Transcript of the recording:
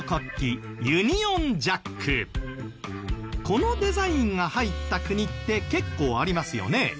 このデザインが入った国って結構ありますよね？